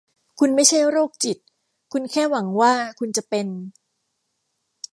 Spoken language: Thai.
คุณไม่ใช่โรคจิตคุณแค่หวังว่าคุณจะเป็น ?